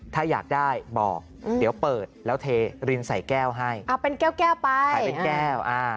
ถ้าอยากได้บอกเดี๋ยวเปิดแล้วเทรินใส่แก้วให้เป็นแก้วไปขายเป็นแก้ว